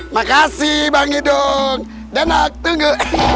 makasih bang edung denak tunggu